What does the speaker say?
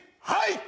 はい！